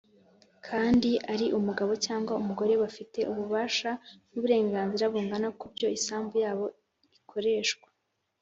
kandi ari umugabo cyangwa umugore bafite ububasha n’uburenganzira bungana k’uburyo isambu yabo ikoreshwa.